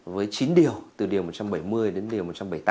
với chín điều từ điều một trăm bảy mươi đến điều một trăm bảy mươi tám